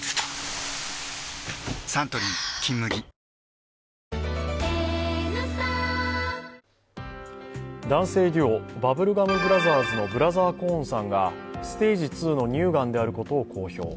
サントリー「金麦」男性デュオ、バブルガム・ブラザーズのブラザー・コーンさんがステージ２の乳がんであることを公表。